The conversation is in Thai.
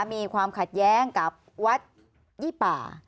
มีความขัดแย้งกับวัดยี่ป่า